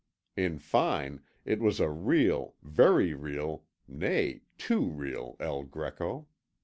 In fine it was a real, very real, nay, too real El Greco.